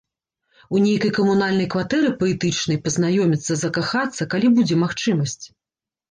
У нейкай камунальнай кватэры паэтычнай, пазнаёміцца, закахацца, калі будзе магчымасць.